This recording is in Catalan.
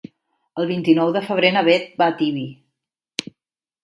El vint-i-nou de febrer na Bet va a Tibi.